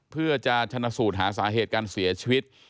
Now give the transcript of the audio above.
เพื่อจะชนะสูตรหาสาเหตุการเสียชีวิต